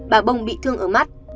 bà bông bị thương ở mắt